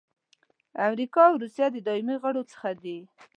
امریکا او روسیه د دایمي غړو څخه دي.